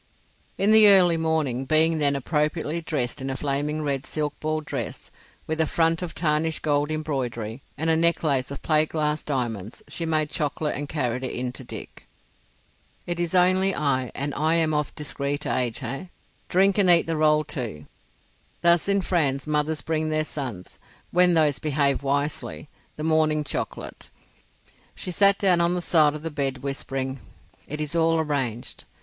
In the early morning, being then appropriately dressed in a flaming red silk ball dress, with a front of tarnished gold embroidery and a necklace of plate glass diamonds, she made chocolate and carried it in to Dick. "It is only I, and I am of discreet age, eh? Drink and eat the roll too. Thus in France mothers bring their sons, when those behave wisely, the morning chocolate." She sat down on the side of the bed whispering:—"It is all arranged.